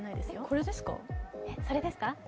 これですか？